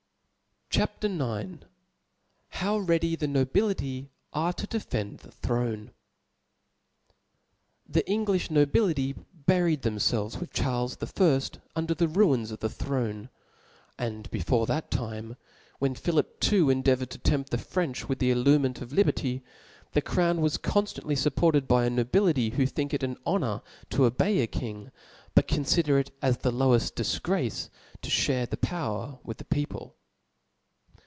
G tit A ^. IX. J^ow ready the Noj^h'fyare to defend the Throne. TTH E Englilh nobility buried themfelvcs with Charles the firft, under the ruins of the dirone ; and before that time, when Philip the fecond endeaVOuired to tenipt the French with the allurement of liberty^ the crown was conftantly fupported by a nobility who think ic an hohor to obey a king, but confider it as the loweft difgrace to fhare the power with the people.